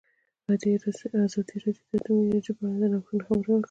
ازادي راډیو د اټومي انرژي په اړه د نوښتونو خبر ورکړی.